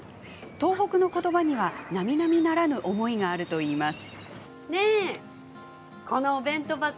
東北のことばには並々ならぬ思いがあるといいます。